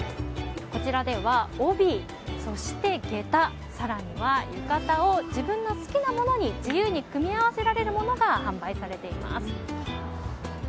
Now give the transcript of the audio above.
こちらでは帯そして下駄、更には浴衣を自分が好きなものに自由に組み合わせられるものが販売されています。